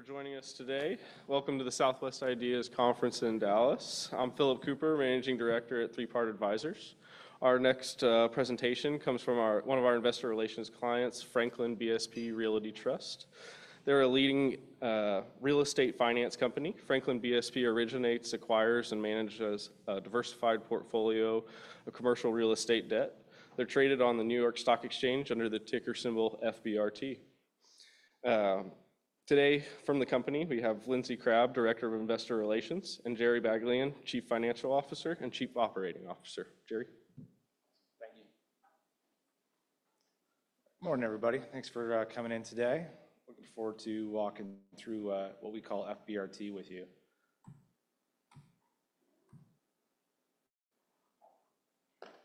for joining us today. Welcome to the Southwest IDEAS Conference in Dallas. I'm Phillip Kupper, Managing Director at Three Part Advisors. Our next presentation comes from one of our investor relations clients, Franklin BSP Realty Trust. They're a leading real estate finance company. Franklin BSP originates, acquires, and manages a diversified portfolio of commercial real estate debt. They're traded on the New York Stock Exchange under the ticker symbol FBRT. Today, from the company, we have Lindsey Crabbe, Director of Investor Relations, and Jerry Baglien, Chief Financial Officer and Chief Operating Officer. Jerry. Thank you. Good morning, everybody. Thanks for coming in today. Looking forward to walking through what we call FBRT with you.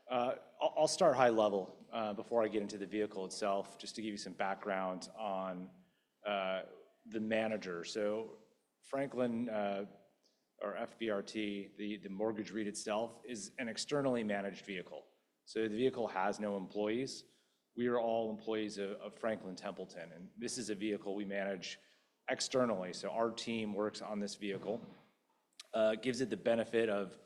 I'll start high level before I get into the vehicle itself, just to give you some background on the manager. So Franklin, or FBRT, the mortgage REIT itself, is an externally managed vehicle. So the vehicle has no employees. We are all employees of Franklin Templeton. And this is a vehicle we manage externally. So our team works on this vehicle, gives it the benefit of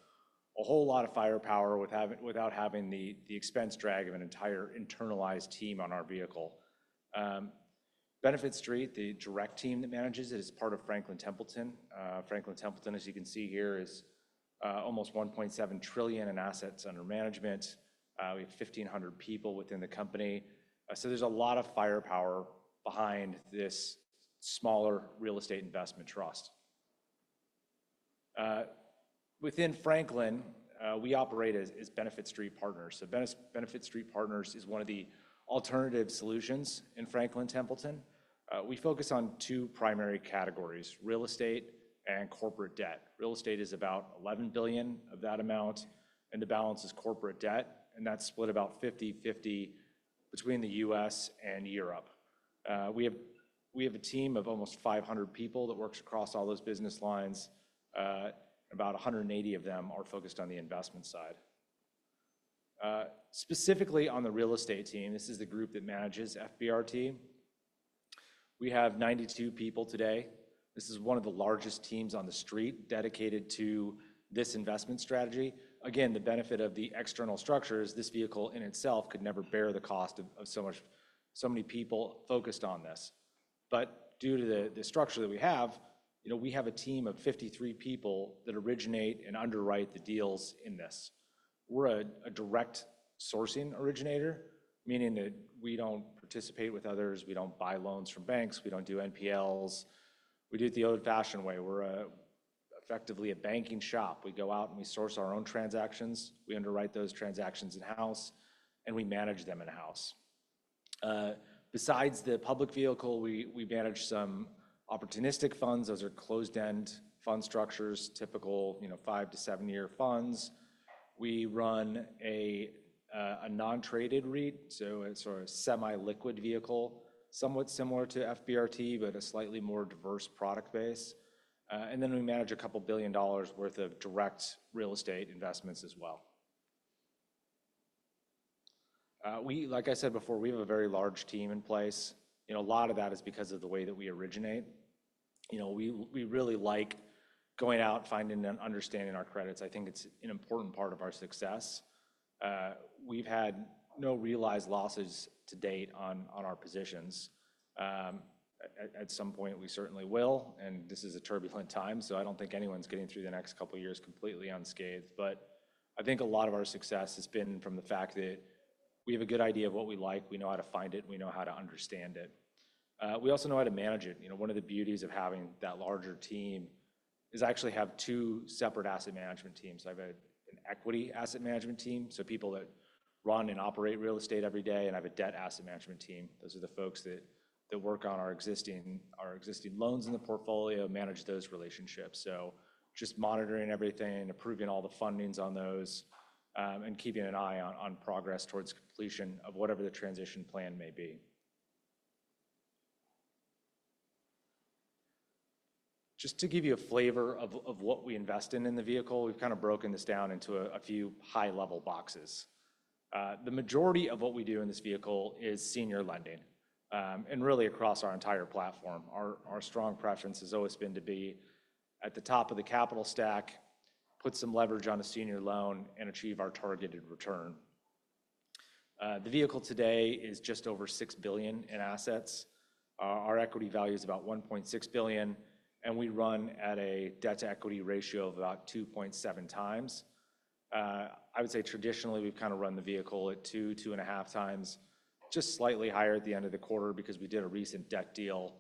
a whole lot of firepower without having the expense drag of an entire internalized team on our vehicle. Benefit Street, the direct team that manages it, is part of Franklin Templeton. Franklin Templeton, as you can see here, is almost 1.7 trillion in assets under management. We have 1,500 people within the company. So there's a lot of firepower behind this smaller Real Estate Investment Trust. Within Franklin, we operate as Benefit Street Partners. So Benefit Street Partners is one of the alternative solutions in Franklin Templeton. We focus on two primary categories: real estate and corporate debt. Real estate is about $11 billion of that amount, and the balance is corporate debt. And that's split about 50/50 between the U.S. and Europe. We have a team of almost 500 people that works across all those business lines. About 180 of them are focused on the investment side. Specifically on the real estate team, this is the group that manages FBRT. We have 92 people today. This is one of the largest teams on the street dedicated to this investment strategy. Again, the benefit of the external structure is this vehicle in itself could never bear the cost of so many people focused on this. But due to the structure that we have, we have a team of 53 people that originate and underwrite the deals in this. We're a direct sourcing originator, meaning that we don't participate with others. We don't buy loans from banks. We don't do NPLs. We do it the old-fashioned way. We're effectively a banking shop. We go out and we source our own transactions. We underwrite those transactions in-house, and we manage them in-house. Besides the public vehicle, we manage some opportunistic funds. Those are closed-end fund structures, typical five to seven-year funds. We run a non-traded REIT, so a semi-liquid vehicle, somewhat similar to FBRT, but a slightly more diverse product base. And then we manage $2 billion worth of direct real istate investments as well. Like I said before, we have a very large team in place. A lot of that is because of the way that we originate. We really like going out and finding and understanding our credits. I think it's an important part of our success. We've had no realized losses to date on our positions. At some point, we certainly will. And this is a turbulent time, so I don't think anyone's getting through the next couple of years completely unscathed. But I think a lot of our success has been from the fact that we have a good idea of what we like. We know how to find it. We know how to understand it. We also know how to manage it. One of the beauties of having that larger team is actually having two separate asset management teams. I've an equity asset management team, so people that run and operate real estate every day, and I have a debt asset management team. Those are the folks that work on our existing loans in the portfolio, manage those relationships. So just monitoring everything, approving all the fundings on those, and keeping an eye on progress towards completion of whatever the transition plan may be. Just to give you a flavor of what we invest in in the vehicle, we've kind of broken this down into a few high-level boxes. The majority of what we do in this vehicle is senior lending, and really across our entire platform. Our strong preference has always been to be at the top of the capital stack, put some leverage on a senior loan, and achieve our targeted return. The vehicle today is just over $6 billion in assets. Our equity value is about $1.6 billion, and we run at a debt-to-equity ratio of about 2.7 times. I would say traditionally, we've kind of run the vehicle at 2, 2.5 times, just slightly higher at the end of the quarter because we did a recent debt deal.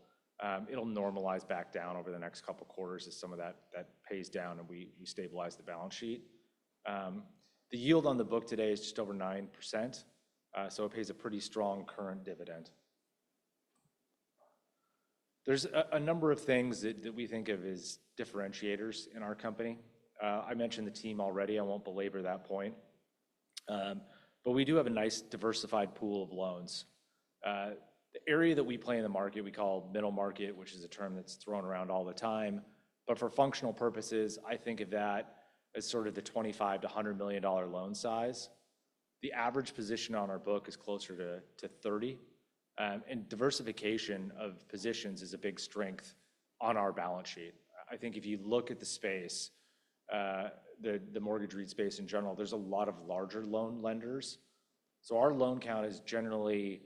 It'll normalize back down over the next couple of quarters as some of that pays down and we stabilize the balance sheet. The yield on the book today is just over 9%, so it pays a pretty strong current dividend. There's a number of things that we think of as differentiators in our company. I mentioned the team already. I won't belabor that point. But we do have a nice diversified pool of loans. The area that we play in the market, we call middle market, which is a term that's thrown around all the time. But for functional purposes, I think of that as sort of the $25 million-$100 million loan size. The average position on our book is closer to $30 million. And diversification of positions is a big strength on our balance sheet. I think if you look at the space, the mortgage REIT space in general, there's a lot of larger loan lenders. So our loan count is generally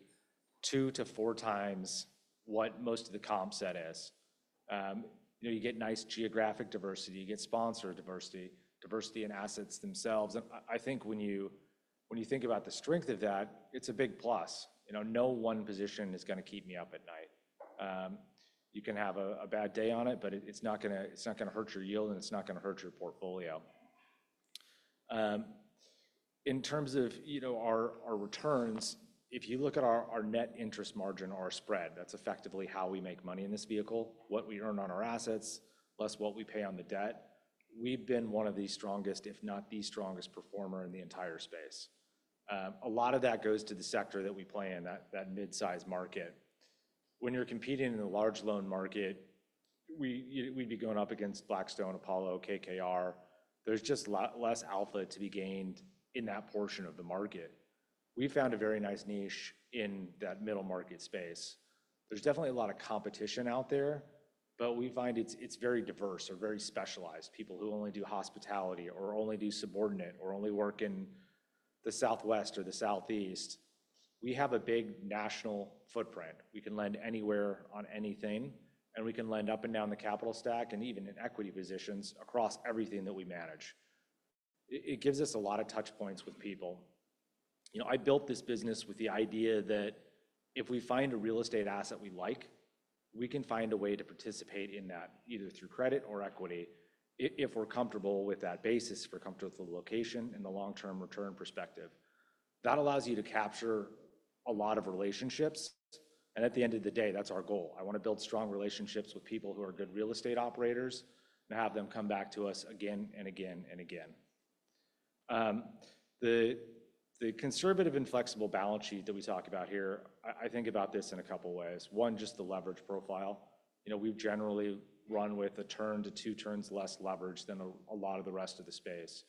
2-4 times what most of the comp set is. You get nice geographic diversity. You get sponsor diversity, diversity in assets themselves. And I think when you think about the strength of that, it's a big plus. No one position is going to keep me up at night. You can have a bad day on it, but it's not going to hurt your yield, and it's not going to hurt your portfolio. In terms of our returns, if you look at our net interest margin or our spread, that's effectively how we make money in this vehicle, what we earn on our assets less what we pay on the debt. We've been one of the strongest, if not the strongest performer in the entire space. A lot of that goes to the sector that we play in, that mid-size market. When you're competing in a large loan market, we'd be going up against Blackstone, Apollo, KKR. There's just less alpha to be gained in that portion of the market. We found a very nice niche in that middle market space. There's definitely a lot of competition out there, but we find it's very diverse or very specialized. People who only do hospitality or only do subordinate or only work in the Southwest or the Southeast. We have a big national footprint. We can lend anywhere on anything, and we can lend up and down the capital stack and even in equity positions across everything that we manage. It gives us a lot of touch points with people. I built this business with the idea that if we find a real estate asset we like, we can find a way to participate in that either through credit or equity if we're comfortable with that basis, if we're comfortable with the location and the long-term return perspective. That allows you to capture a lot of relationships. And at the end of the day, that's our goal. I want to build strong relationships with people who are good real estate operators and have them come back to us again and again and again. The conservative and flexible balance sheet that we talk about here, I think about this in a couple of ways. One, just the leverage profile. We've generally run with a turn to two turns less leverage than a lot of the rest of the space.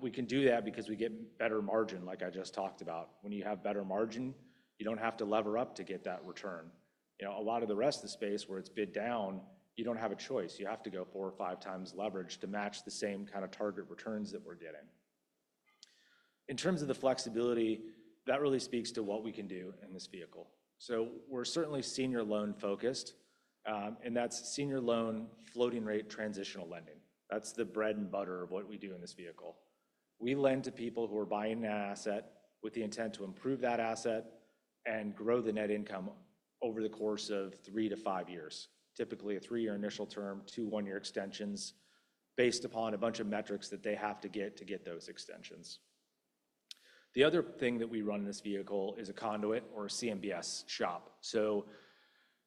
We can do that because we get better margin, like I just talked about. When you have better margin, you don't have to lever up to get that return. A lot of the rest of the space where it's bid down, you don't have a choice. You have to go four or five times leverage to match the same kind of target returns that we're getting. In terms of the flexibility, that really speaks to what we can do in this vehicle. We're certainly senior loan focused, and that's senior loan floating rate transitional lending. That's the bread and butter of what we do in this vehicle. We lend to people who are buying an asset with the intent to improve that asset and grow the net income over the course of three to five years, typically a three-year initial term, two one-year extensions based upon a bunch of metrics that they have to get to get those extensions. The other thing that we run in this vehicle is a conduit or a CMBS shop,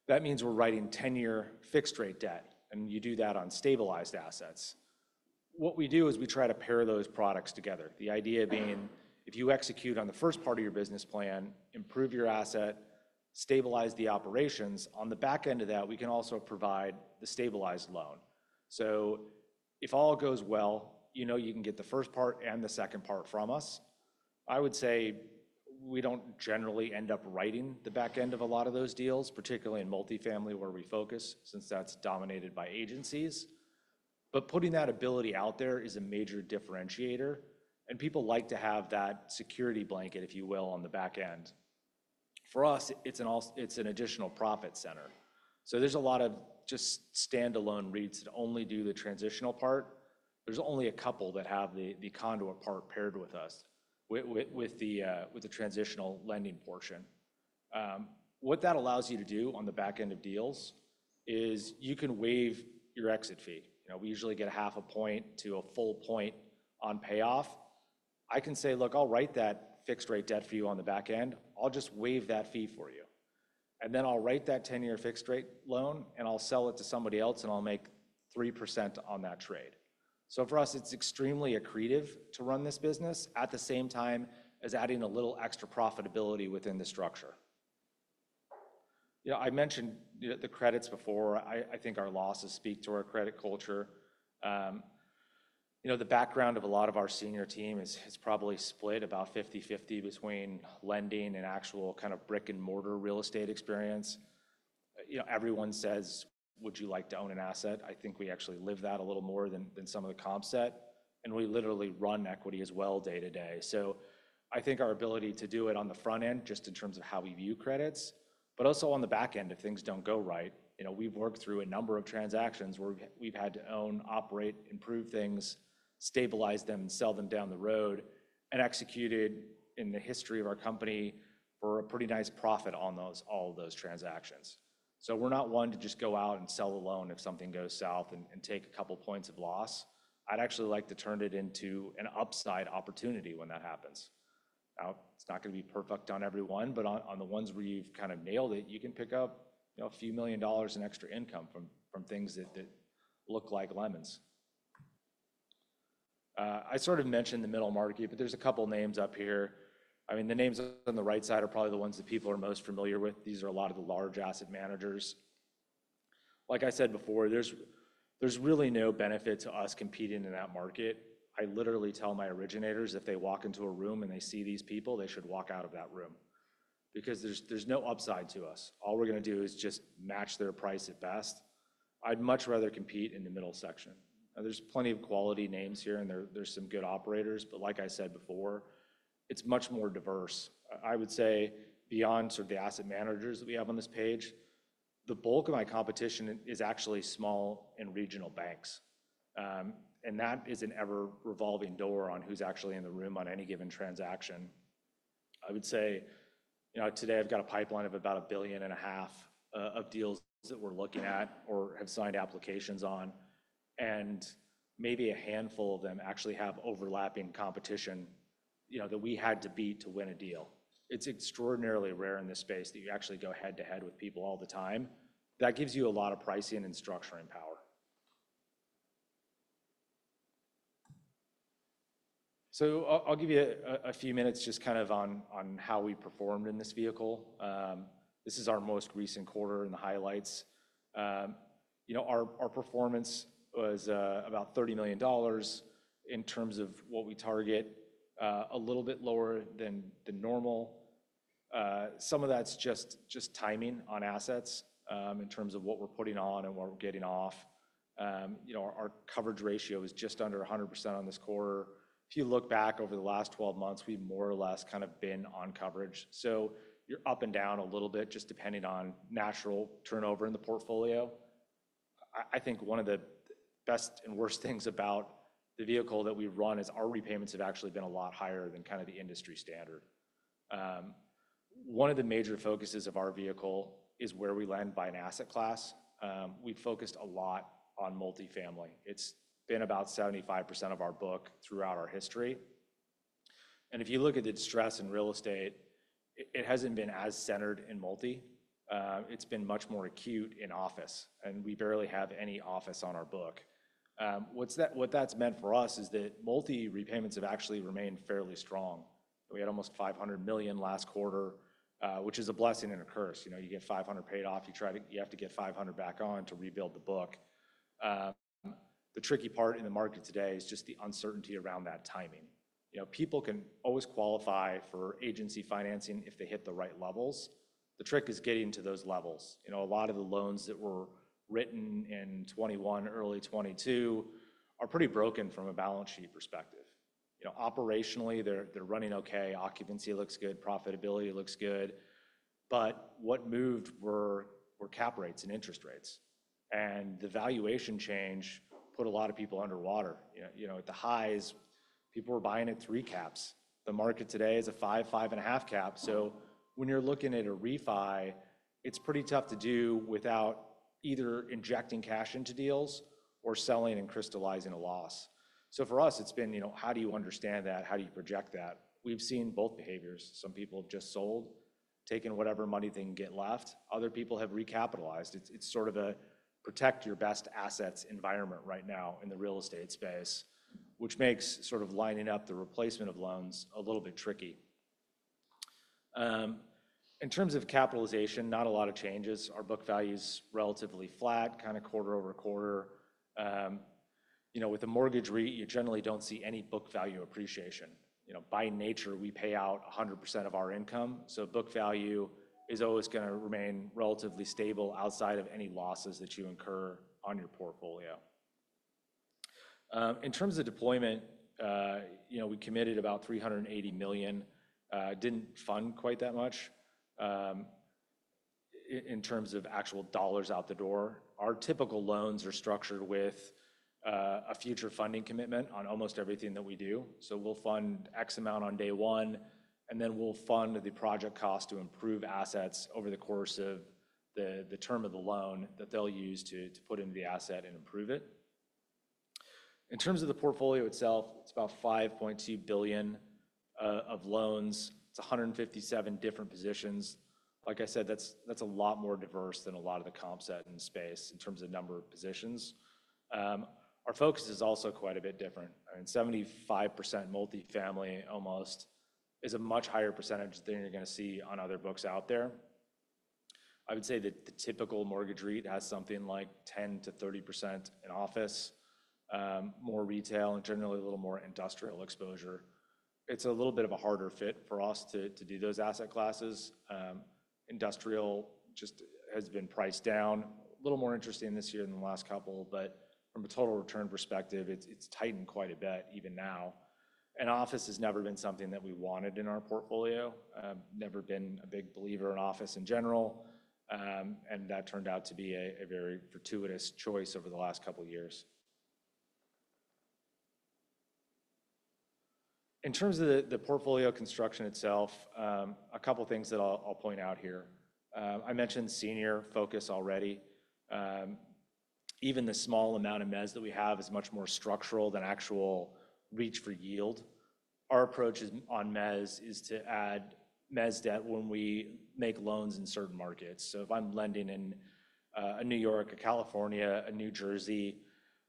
so that means we're writing 10-year fixed-rate debt, and you do that on stabilized assets. What we do is we try to pair those products together. The idea being, if you execute on the first part of your business plan, improve your asset, stabilize the operations, on the back end of that, we can also provide the stabilized loan. So if all goes well, you know you can get the first part and the second part from us. I would say we don't generally end up writing the back end of a lot of those deals, particularly in multifamily where we focus, since that's dominated by agencies. But putting that ability out there is a major differentiator. And people like to have that security blanket, if you will, on the back end. For us, it's an additional profit center. So there's a lot of just standalone REITs that only do the transitional part. There's only a couple that have the conduit part paired with us with the transitional lending portion. What that allows you to do on the back end of deals is you can waive your exit fee. We usually get 0.5-1 point on payoff. I can say, "Look, I'll write that fixed-rate debt for you on the back end. I'll just waive that fee for you," and then I'll write that 10-year fixed-rate loan, and I'll sell it to somebody else, and I'll make 3% on that trade, so for us, it's extremely accretive to run this business at the same time as adding a little extra profitability within the structure. I mentioned the credits before. I think our losses speak to our credit culture. The background of a lot of our senior team is probably split about 50/50 between lending and actual kind of brick-and-mortar real estate experience. Everyone says, "Would you like to own an asset?" I think we actually live that a little more than some of the comp set. And we literally run equity as well day to day. So I think our ability to do it on the front end, just in terms of how we view credits, but also on the back end if things don't go right, we've worked through a number of transactions where we've had to own, operate, improve things, stabilize them, sell them down the road, and executed in the history of our company for a pretty nice profit on all of those transactions. So we're not one to just go out and sell a loan if something goes south and take a couple of points of loss. I'd actually like to turn it into an upside opportunity when that happens. It's not going to be perfect on everyone, but on the ones where you've kind of nailed it, you can pick up a few million dollars in extra income from things that look like lemons. I sort of mentioned the middle market, but there's a couple of names up here. I mean, the names on the right side are probably the ones that people are most familiar with. These are a lot of the large asset managers. Like I said before, there's really no benefit to us competing in that market. I literally tell my originators, if they walk into a room and they see these people, they should walk out of that room because there's no upside to us. All we're going to do is just match their price at best. I'd much rather compete in the middle section. There's plenty of quality names here, and there's some good operators. But like I said before, it's much more diverse. I would say beyond sort of the asset managers that we have on this page, the bulk of my competition is actually small and regional banks. And that is an ever-revolving door on who's actually in the room on any given transaction. I would say today I've got a pipeline of about $1.5 billion of deals that we're looking at or have signed applications on. And maybe a handful of them actually have overlapping competition that we had to beat to win a deal. It's extraordinarily rare in this space that you actually go head-to-head with people all the time. That gives you a lot of pricing and structuring power. So I'll give you a few minutes just kind of on how we performed in this vehicle. This is our most recent quarter and the highlights. Our performance was about $30 million in terms of what we target, a little bit lower than the normal. Some of that's just timing on assets in terms of what we're putting on and what we're getting off. Our coverage ratio is just under 100% on this quarter. If you look back over the last 12 months, we've more or less kind of been on coverage. So you're up and down a little bit just depending on natural turnover in the portfolio. I think one of the best and worst things about the vehicle that we run is our repayments have actually been a lot higher than kind of the industry standard. One of the major focuses of our vehicle is where we lend by an asset class. We've focused a lot on multifamily. It's been about 75% of our book throughout our history, and if you look at the distress in real estate, it hasn't been as centered in multi. It's been much more acute in office, and we barely have any office on our book. What that's meant for us is that multi repayments have actually remained fairly strong. We had almost $500 million last quarter, which is a blessing and a curse. You get $500 million paid off. You have to get $500 million back on to rebuild the book. The tricky part in the market today is just the uncertainty around that timing. People can always qualify for agency financing if they hit the right levels. The trick is getting to those levels. A lot of the loans that were written in 2021, early 2022, are pretty broken from a balance sheet perspective. Operationally, they're running okay. Occupancy looks good. Profitability looks good, but what moved were cap rates and interest rates, and the valuation change put a lot of people underwater. At the highs, people were buying at three caps. The market today is a five, five-and-a-half cap, so when you're looking at a refi, it's pretty tough to do without either injecting cash into deals or selling and crystallizing a loss. For us, it's been, how do you understand that? How do you project that? We've seen both behaviors. Some people have just sold, taken whatever money they can get left. Other people have recapitalized. It's sort of a protect your best assets environment right now in the real estate space, which makes sort of lining up the replacement of loans a little bit tricky. In terms of capitalization, not a lot of changes. Our book value is relatively flat, kind of quarter over quarter. With a mortgage REIT, you generally don't see any book value appreciation. By nature, we pay out 100% of our income. So book value is always going to remain relatively stable outside of any losses that you incur on your portfolio. In terms of deployment, we committed about $380 million. Didn't fund quite that much in terms of actual dollars out the door. Our typical loans are structured with a future funding commitment on almost everything that we do. So we'll fund X amount on day one, and then we'll fund the project cost to improve assets over the course of the term of the loan that they'll use to put into the asset and improve it. In terms of the portfolio itself, it's about $5.2 billion of loans. It's 157 different positions. Like I said, that's a lot more diverse than a lot of the comp set in space in terms of number of positions. Our focus is also quite a bit different. 75% multifamily almost is a much higher percentage than you're going to see on other books out there. I would say that the typical mortgage REIT has something like 10%-30% in office, more retail, and generally a little more industrial exposure. It's a little bit of a harder fit for us to do those asset classes. Industrial just has been priced down. A little more interesting this year than the last couple, but from a total return perspective, it's tightened quite a bit even now, and office has never been something that we wanted in our portfolio. Never been a big believer in office in general. That turned out to be a very fortuitous choice over the last couple of years. In terms of the portfolio construction itself, a couple of things that I'll point out here. I mentioned senior focus already. Even the small amount of MES that we have is much more structural than actual reach for yield. Our approach on MES is to add MES debt when we make loans in certain markets. So if I'm lending in a New York, a California, a New Jersey,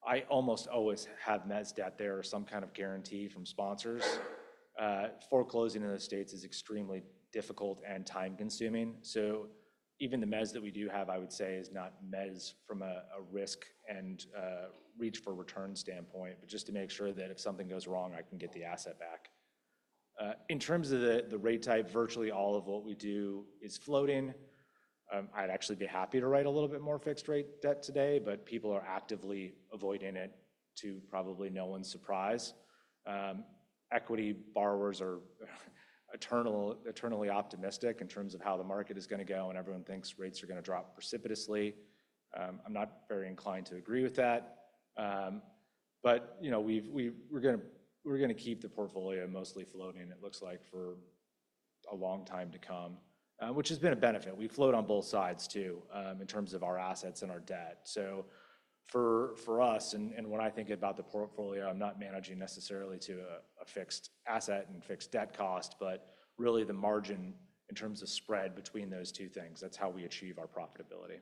I almost always have MES debt there or some kind of guarantee from sponsors. Foreclosing in the States is extremely difficult and time-consuming. So even the MES that we do have, I would say, is not MES from a risk and reach for return standpoint, but just to make sure that if something goes wrong, I can get the asset back. In terms of the rate type, virtually all of what we do is floating. I'd actually be happy to write a little bit more fixed-rate debt today, but people are actively avoiding it to probably no one's surprise. Equity borrowers are eternally optimistic in terms of how the market is going to go, and everyone thinks rates are going to drop precipitously. I'm not very inclined to agree with that. But we're going to keep the portfolio mostly floating, it looks like, for a long time to come, which has been a benefit. We float on both sides, too, in terms of our assets and our debt. So for us, and when I think about the portfolio, I'm not managing necessarily to a fixed asset and fixed debt cost, but really the margin in terms of spread between those two things. That's how we achieve our profitability.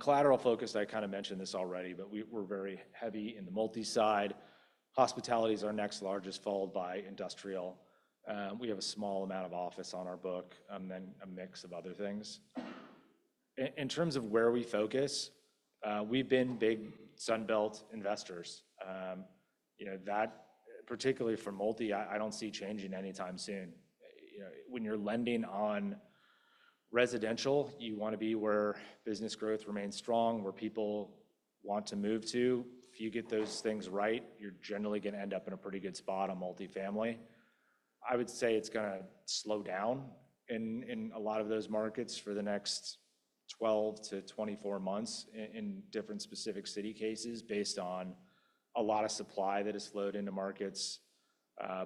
Collateral focus, I kind of mentioned this already, but we're very heavy in the multi side. Hospitality is our next largest, followed by industrial. We have a small amount of office on our book and then a mix of other things. In terms of where we focus, we've been big Sunbelt investors. That, particularly for multi, I don't see changing anytime soon. When you're lending on residential, you want to be where business growth remains strong, where people want to move to. If you get those things right, you're generally going to end up in a pretty good spot on multifamily. I would say it's going to slow down in a lot of those markets for the next 12 to 24 months in different specific city cases based on a lot of supply that has flowed into markets.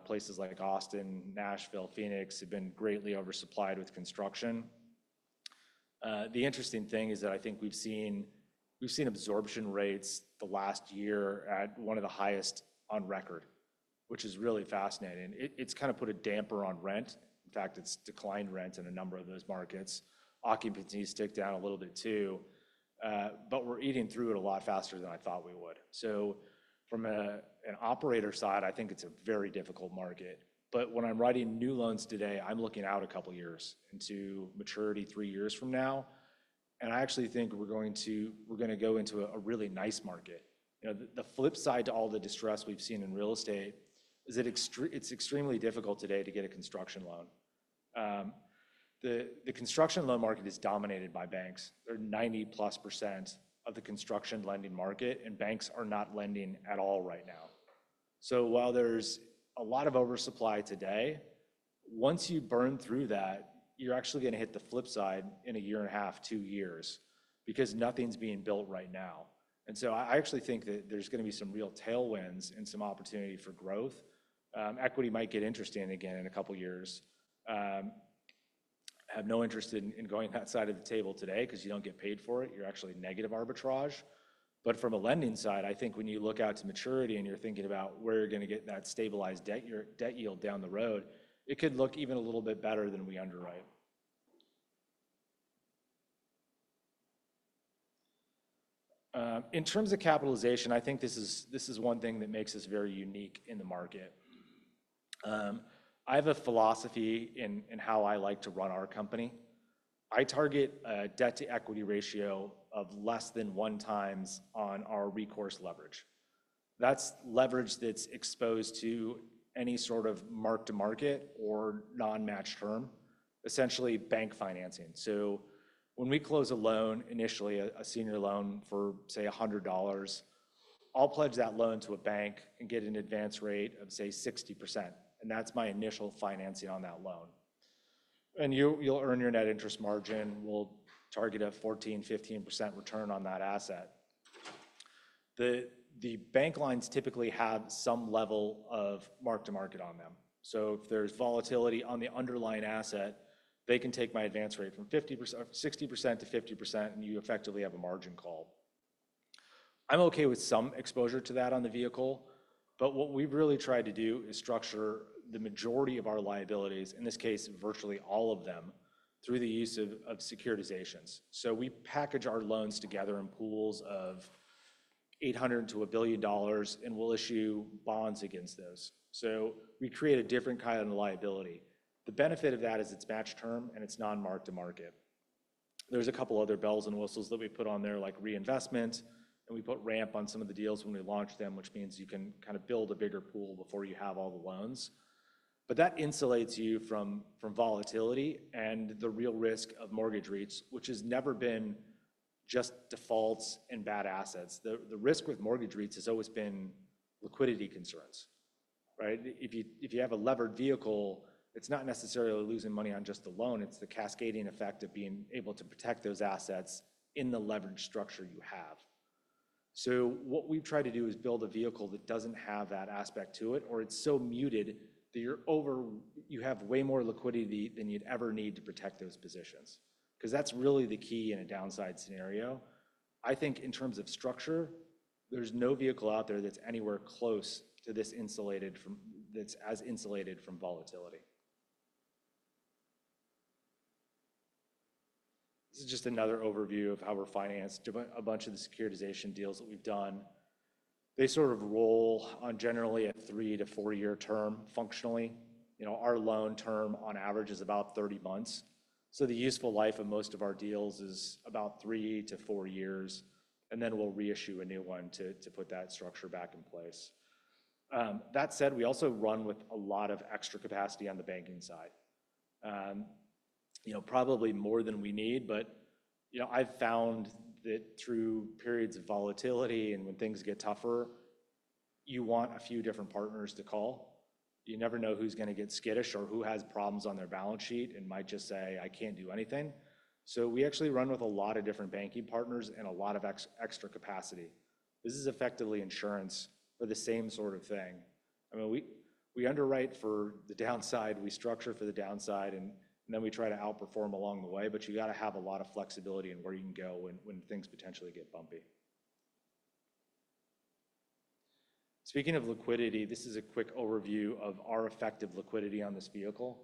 Places like Austin, Nashville, Phoenix have been greatly oversupplied with construction. The interesting thing is that I think we've seen absorption rates the last year at one of the highest on record, which is really fascinating. It's kind of put a damper on rent. In fact, it's declined rent in a number of those markets. Occupancy has ticked down a little bit, too, but we're eating through it a lot faster than I thought we would, so from an operator side, I think it's a very difficult market, but when I'm writing new loans today, I'm looking out a couple of years into maturity three years from now, and I actually think we're going to go into a really nice market. The flip side to all the distress we've seen in real estate is that it's extremely difficult today to get a construction loan. The construction loan market is dominated by banks. They're 90% plus of the construction lending market, and banks are not lending at all right now, so while there's a lot of oversupply today, once you burn through that, you're actually going to hit the flip side in a year and a half, two years because nothing's being built right now, and so I actually think that there's going to be some real tailwinds and some opportunity for growth. Equity might get interesting again in a couple of years. I have no interest in going that side of the table today because you don't get paid for it. You're actually negative arbitrage, but from a lending side, I think when you look out to maturity and you're thinking about where you're going to get that stabilized debt yield down the road, it could look even a little bit better than we underwrite. In terms of capitalization, I think this is one thing that makes us very unique in the market. I have a philosophy in how I like to run our company. I target a debt-to-equity ratio of less than one times on our recourse leverage. That's leverage that's exposed to any sort of mark-to-market or non-matched term, essentially bank financing. So when we close a loan, initially a senior loan for, say, $100, I'll pledge that loan to a bank and get an advance rate of, say, 60%. And that's my initial financing on that loan, and you'll earn your net interest margin. We'll target a 14%-15% return on that asset. The bank lines typically have some level of mark-to-market on them. So if there's volatility on the underlying asset, they can take my advance rate from 60% to 50%, and you effectively have a margin call. I'm okay with some exposure to that on the vehicle. But what we really try to do is structure the majority of our liabilities, in this case, virtually all of them, through the use of securitizations. So we package our loans together in pools of $800 million-$1 billion, and we'll issue bonds against those. So we create a different kind of liability. The benefit of that is it's matched term and it's non-mark-to-market. There's a couple of other bells and whistles that we put on there, like reinvestment, and we put ramp on some of the deals when we launch them, which means you can kind of build a bigger pool before you have all the loans. But that insulates you from volatility and the real risk of mortgage REITs, which has never been just defaults and bad assets. The risk with mortgage REITs has always been liquidity concerns. If you have a levered vehicle, it's not necessarily losing money on just the loan. It's the cascading effect of being able to protect those assets in the leverage structure you have. So what we've tried to do is build a vehicle that doesn't have that aspect to it, or it's so muted that you have way more liquidity than you'd ever need to protect those positions. Because that's really the key in a downside scenario. I think in terms of structure, there's no vehicle out there that's anywhere close to this insulated from that. That's as insulated from volatility. This is just another overview of how we're financed a bunch of the securitization deals that we've done. They sort of roll on generally a three to four-year term, functionally. Our loan term on average is about 30 months. So the useful life of most of our deals is about three to four years, and then we'll reissue a new one to put that structure back in place. That said, we also run with a lot of extra capacity on the banking side. Probably more than we need, but I've found that through periods of volatility and when things get tougher, you want a few different partners to call. You never know who's going to get skittish or who has problems on their balance sheet and might just say, "I can't do anything." So we actually run with a lot of different banking partners and a lot of extra capacity. This is effectively insurance for the same sort of thing. I mean, we underwrite for the downside, we structure for the downside, and then we try to outperform along the way. But you got to have a lot of flexibility in where you can go when things potentially get bumpy. Speaking of liquidity, this is a quick overview of our effective liquidity on this vehicle.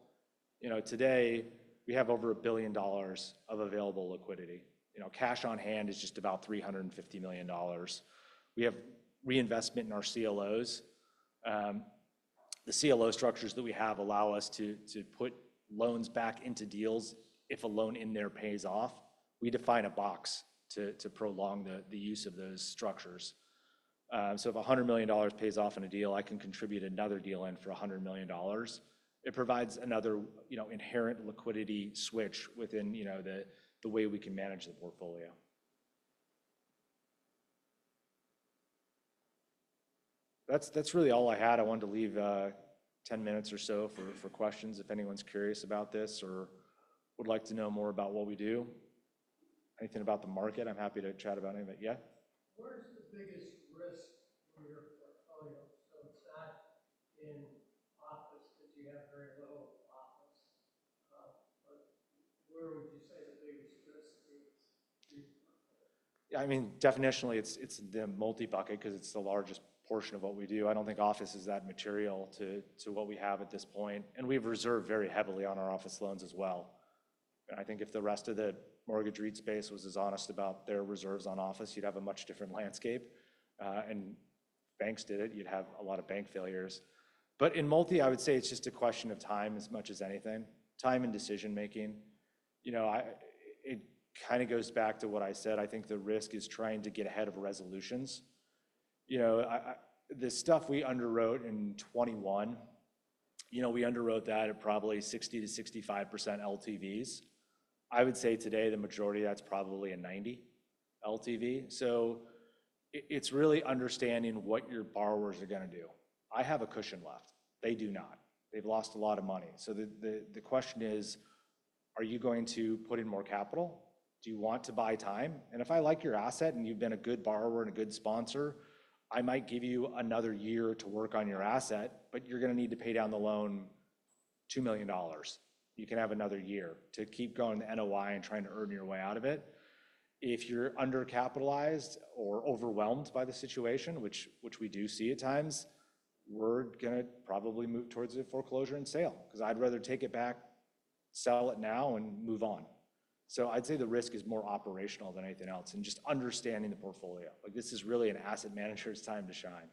Today, we have over $1 billion of available liquidity. Cash on hand is just about $350 million. We have reinvestment in our CLOs. The CLO structures that we have allow us to put loans back into deals. If a loan in there pays off, we define a box to prolong the use of those structures. So if $100 million pays off in a deal, I can contribute another deal in for $100 million. It provides another inherent liquidity switch within the way we can manage the portfolio. That's really all I had. I wanted to leave 10 minutes or so for questions if anyone's curious about this or would like to know more about what we do. Anything about the market? I'm happy to chat about any of it. Yeah? Where's the biggest risk when your portfolio's so safe in office because you have very little office? But where would you say the biggest risk is? Yeah. I mean, definitionally, it's the multi bucket because it's the largest portion of what we do. I don't think office is that material to what we have at this point, and we've reserved very heavily on our office loans as well. I think if the rest of the mortgage REIT space was as honest about their reserves on office, you'd have a much different landscape, and banks did it. You'd have a lot of bank failures. But in multi, I would say it's just a question of time as much as anything. Time and decision-making. It kind of goes back to what I said. I think the risk is trying to get ahead of resolutions. The stuff we underwrote in 2021, we underwrote that at probably 60%-65% LTVs. I would say today, the majority of that's probably a 90% LTV. So it's really understanding what your borrowers are going to do. I have a cushion left. They do not. They've lost a lot of money. So the question is, are you going to put in more capital? Do you want to buy time? And if I like your asset and you've been a good borrower and a good sponsor, I might give you another year to work on your asset, but you're going to need to pay down the loan $2 million. You can have another year to keep going to NOI and trying to earn your way out of it. If you're undercapitalized or overwhelmed by the situation, which we do see at times, we're going to probably move towards a foreclosure and sale because I'd rather take it back, sell it now, and move on. So I'd say the risk is more operational than anything else and just understanding the portfolio. This is really an asset manager's time to shine.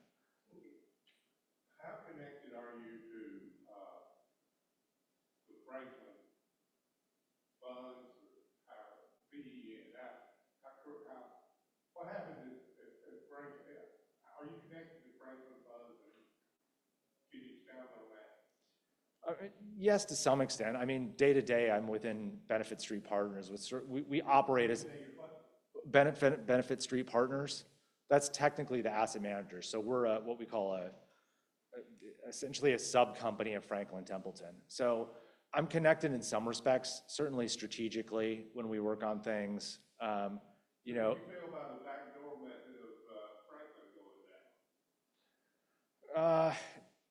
How connected are you to Franklin Templeton or how? What happened at Franklin? Are you connected to Franklin BSP and getting sound on that? Yes, to some extent. I mean, day to day, I'm within Benefit Street Partners. We operate as Benefit Street Partners. That's technically the asset manager. So we're what we call essentially a subcompany of Franklin Templeton. So I'm connected in some respects, certainly strategically when we work on things.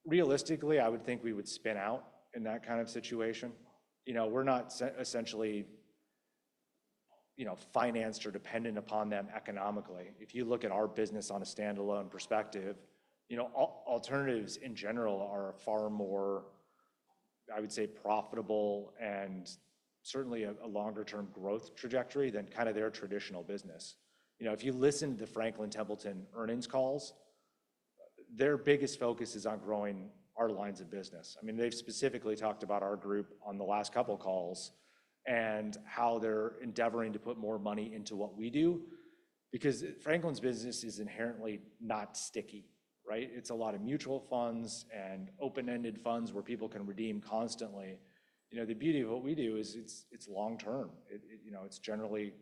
Realistically, I would think we would spin out in that kind of situation. We're not essentially financed or dependent upon them economically. If you look at our business on a standalone perspective, alternatives in general are far more, I would say, profitable and certainly a longer-term growth trajectory than kind of their traditional business. If you listen to the Franklin Templeton earnings calls, their biggest focus is on growing our lines of business. I mean, they've specifically talked about our group on the last couple of calls and how they're endeavoring to put more money into what we do because Franklin's business is inherently not sticky. It's a lot of mutual funds and open-ended funds where people can redeem constantly. The beauty of what we do is it's long-term. It's generally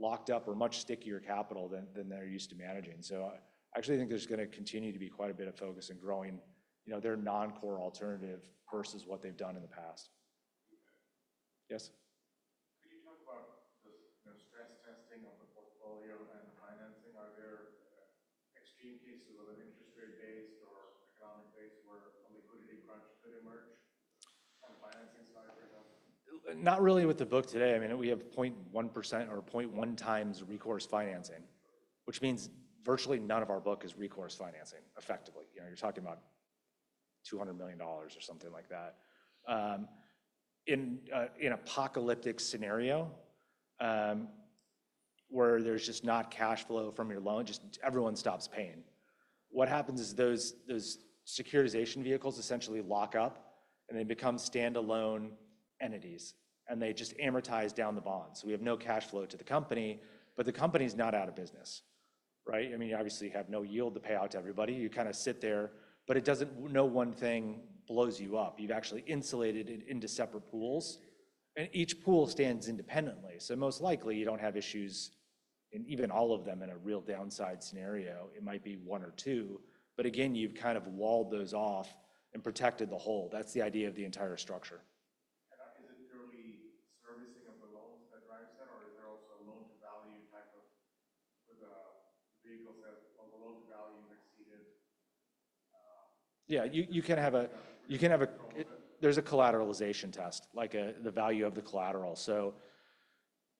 locked up or much stickier capital than they're used to managing. So I actually think there's going to continue to be quite a bit of focus in growing their non-core alternative versus what they've done in the past. Yes? Could you talk about the stress testing of the portfolio and the financing? Are there extreme cases of an interest rate-based or economic base where a liquidity crunch could emerge on the financing side for them? Not really with the book today. I mean, we have 0.1% or 0.1 times recourse financing, which means virtually none of our book is recourse financing effectively. You're talking about $200 million or something like that. In an apocalyptic scenario where there's just not cash flow from your loan, just everyone stops paying. What happens is those securitization vehicles essentially lock up and they become standalone entities, and they just amortize down the bonds. So we have no cash flow to the company, but the company's not out of business. I mean, you obviously have no yield to pay out to everybody. You kind of sit there, but no one thing blows you up. You've actually insulated it into separate pools, and each pool stands independently. So most likely, you don't have issues in even all of them in a real downside scenario. It might be one or two, but again, you've kind of walled those off and protected the whole. That's the idea of the entire structure. And is it purely servicing of the loans that drives that, or is there also a loan-to-value type of vehicle says the loan-to-value exceeded? Yeah, you can have a. There's a collateralization test, like the value of the collateral. So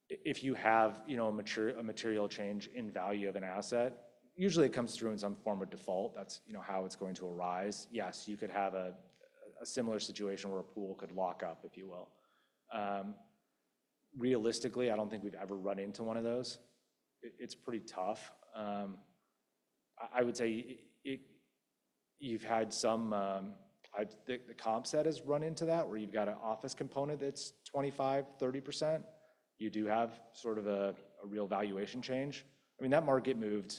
if you have a material change in value of an asset, usually it comes through in some form of default. That's how it's going to arise. Yes, you could have a similar situation where a pool could lock up, if you will. Realistically, I don't think we've ever run into one of those. It's pretty tough. I would say you've had some the comp set has run into that where you've got an office component that's 25%-30%. You do have sort of a real valuation change. I mean, that market moved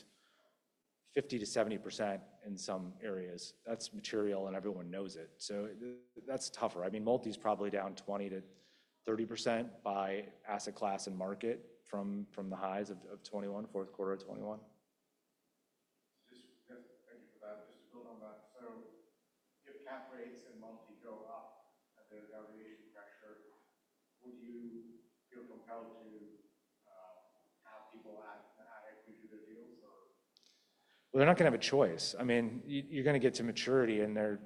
50%-70% in some areas. That's material, and everyone knows it. So that's tougher. I mean, multi is probably down 20%-30% by asset class and market from the highs of 2021, fourth quarter of 2021. Thank you for that. Just to build on that, so if cap rates and multi go up and there's valuation pressure, would you feel compelled to have people add equity to their deals or? They're not going to have a choice. I mean, you're going to get to maturity, and they're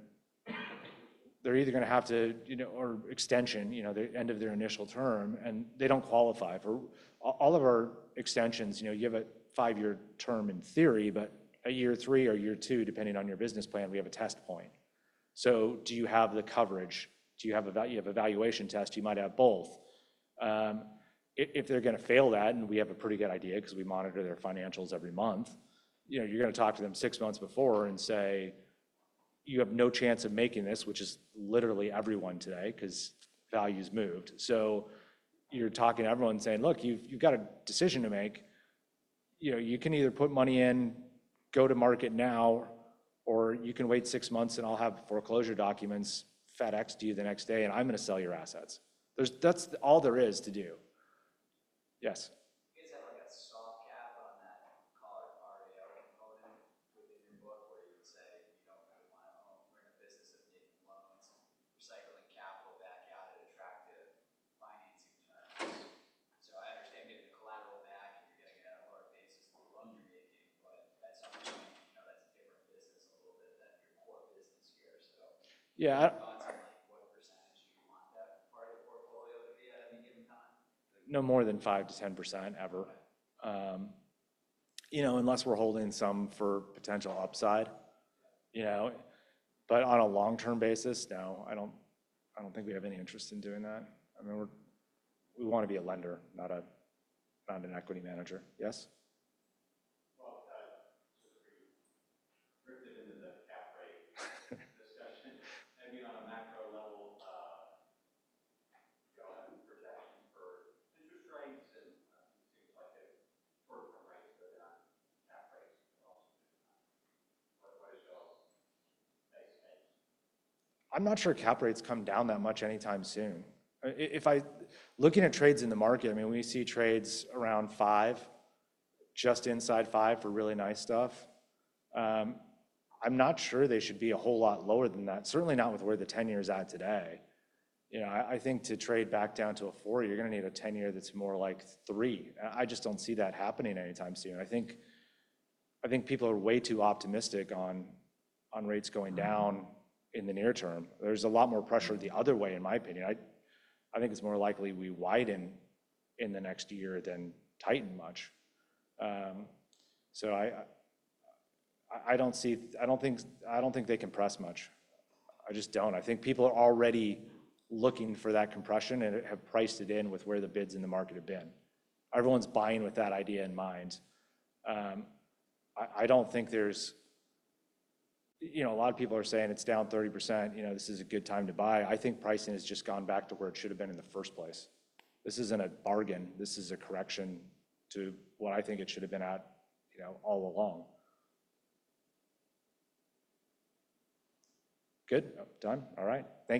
either going to have to or extension, the end of their initial term, and they don't qualify for all of our extensions. You have a five-year term in theory, but a year three or year two, depending on your business plan, we have a test point. So do you have the coverage? Do you have a valuation test? You might have both. If they're going to fail that, and we have a pretty good idea because we monitor their financials every month, you're going to talk to them six months before and say, "You have no chance of making this," which is literally everyone today because value's moved. So you're talking to everyone saying, "Look, you've got a decision to make. You can either put money in, go to market now, or you can wait six months, and I'll have foreclosure documents FedEx to you the next day, and I'm going to sell your assets." That's all there is to do. Yes? You guys have a soft cap on that, call it REO component within your book where you would say, "You don't really want to own, run a business of making loans, recycling capital back out at attractive financing terms." So I understand maybe the collateral back and you're getting it at a lower basis than the loan you're making, but that's a different business a little bit than your core business here. So your thoughts on what percentage you want that part of the portfolio to be at any given time? No more than 5%-10% ever. Unless we're holding some for potential upside. But on a long-term basis, no, I don't think we have any interest in doing that. I mean, we want to be a lender, not an equity manager. Yes? Just to rip into the cap rate discussion, maybe on a macro level, go ahead and your projection for interest rates and it seems like the short-term rates go down, cap rates also go down. What is your base case? I'm not sure cap rates come down that much anytime soon. Looking at trades in the market, I mean, we see trades around five, just inside five for really nice stuff. I'm not sure they should be a whole lot lower than that. Certainly not with where the 10-year is at today. I think to trade back down to a four, you're going to need a 10-year that's more like three. I just don't see that happening anytime soon. I think people are way too optimistic on rates going down in the near term. There's a lot more pressure the other way, in my opinion. I think it's more likely we widen in the next year than tighten much. So I don't think they compress much. I just don't. I think people are already looking for that compression and have priced it in with where the bids in the market have been. Everyone's buying with that idea in mind. I don't think there's a lot of people are saying it's down 30%. This is a good time to buy. I think pricing has just gone back to where it should have been in the first place. This isn't a bargain. This is a correction to what I think it should have been at all along. Good. Done. All right. Thank you.